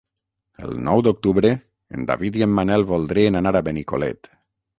El nou d'octubre en David i en Manel voldrien anar a Benicolet.